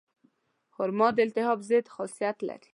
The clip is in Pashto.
خرما د التهاب ضد خاصیت لري.